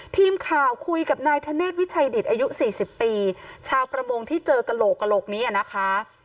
ทีมข่าวคุยกับนายธเนธวิชัยดิตอายุ๔๐ปีชาวประมงที่เจอกระโหลกกระโหลกนี้นะคะ